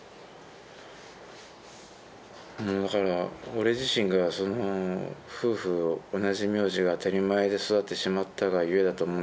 だから俺自身が夫婦同じ名字が当たり前で育ってしまったがゆえだと思うんだけども。